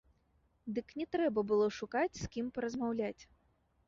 Дык не трэба было шукаць з кім паразмаўляць!